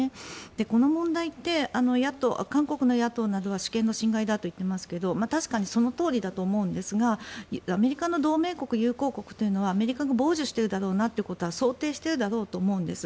この問題って韓国の野党などは主権の侵害だと言っていますが確かにそのとおりだと思うんですがアメリカの同盟国、友好国というのはアメリカが傍受しているだろうなということは想定しているだろうと思うんです。